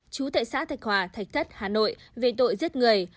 chú tại xã thạch hòa thạch thất hà nội về tội giết người